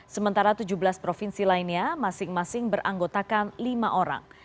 sementara tujuh belas provinsi lainnya masing masing beranggotakan lima orang